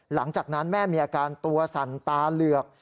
หลังจากนั้นแม่มีอาการตัวสั่นตาเหลือก